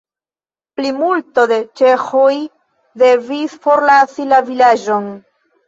Plimulto de ĉeĥoj devis forlasi la vilaĝon.